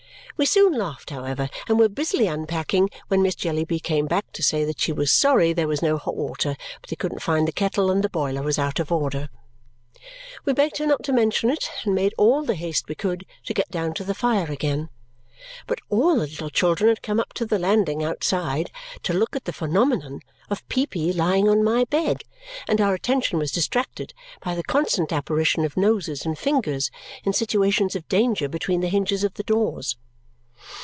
We soon laughed, however, and were busily unpacking when Miss Jellyby came back to say that she was sorry there was no hot water, but they couldn't find the kettle, and the boiler was out of order. We begged her not to mention it and made all the haste we could to get down to the fire again. But all the little children had come up to the landing outside to look at the phenomenon of Peepy lying on my bed, and our attention was distracted by the constant apparition of noses and fingers in situations of danger between the hinges of the doors.